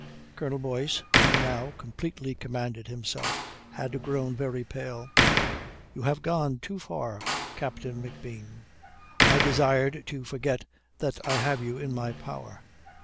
Colonel Boyce, who now completely commanded himself, had grown very pale. "You have gone too far, Captain McBean. I desired to forget that I have you in my power.